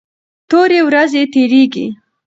تورې ورېځې تیریږي.